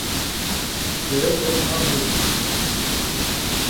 Berepe ma miyonunan.